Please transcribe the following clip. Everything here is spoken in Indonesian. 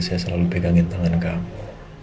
saya selalu pegangin tangan kamu